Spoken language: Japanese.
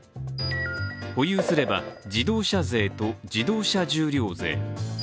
保有すれば自動車税と自動車重量税。